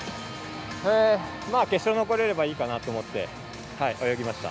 決勝に残れればいいかなと思って泳ぎました。